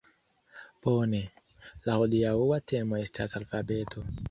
Bone. La hodiaŭa temo estas alfabeto